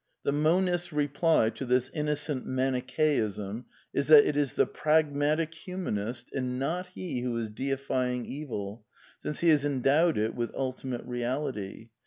The monist's reply to this innocent Manicheism is that it is the pragmatic humanist and not he who is deifying Evil, since he has endowed it with ultimate reality.